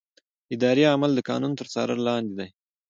اداري عمل د قانون تر څار لاندې دی.